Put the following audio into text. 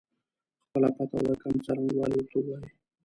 خپله پته او د کمپ څرنګوالی ورته ووایي.